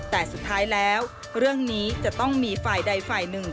แต่สุดท้ายแล้วเรื่องนี้จะต้องมีฝ่ายใดฝ่ายหนึ่ง